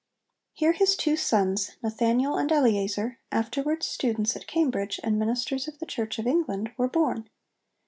Here his two sons, Nathaniel and Eleazar, afterwards students at Cambridge and ministers of the Church of England, were born.